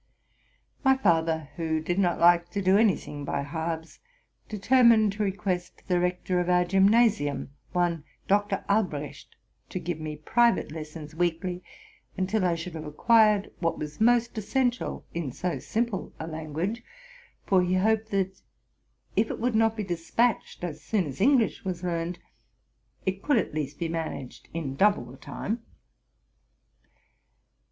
My father, who did not like to do any thing by halves, determined to request the rector of our gymnasium, one Dr. Albrecht, to give me private lessons weekly, until I should have acquired what was most essential in so simple a lan guage ; for he hoped, that, if it would not be despatched as soon as English was learned, it could at least be managed in double the time.